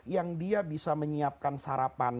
yang dia bisa menyiapkan sarapan